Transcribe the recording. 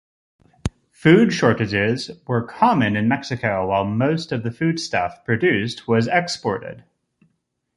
Food shortages were common in Mexico while most of the foodstuff produced was exported.